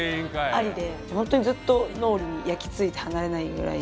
本当にずっと脳裏に焼き付いて離れないぐらい。